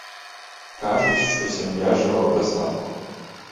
Кажуць, што сям'я жыла ў дастатку.